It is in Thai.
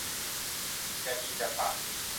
อย่าดีแต่ปาก